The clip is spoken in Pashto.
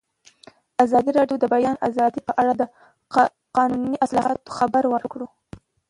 ازادي راډیو د د بیان آزادي په اړه د قانوني اصلاحاتو خبر ورکړی.